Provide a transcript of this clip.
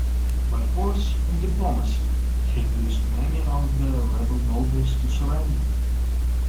By force and diplomacy, he induced many of the rebel nobles to surrender.